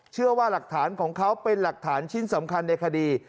เชื่อว่าหลักฐานของเขาเป็นหลักฐานชิ้นสำคัญในคดี